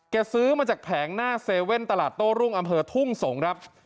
ซื้อมาจากแผงหน้าเว่นตลาดโต้รุ่งอำเภอทุ่งสงศ์ครับ